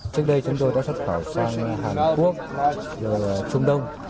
trước đây chúng tôi đã xuất khẩu sang hàn quốc rồi trung đông